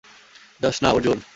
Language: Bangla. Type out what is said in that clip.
যাস না, অর্জুন!